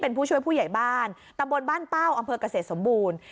เป็นผู้ช่วยผู้ใหญ่บ้านตำบลบ้านเป้าอำเภอกเกษตรสมบูรณ์